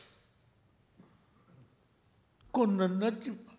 こんなになっちまって」。